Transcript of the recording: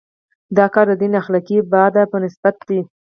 دا کار د دین اخلاقي بعد په نسبت دی.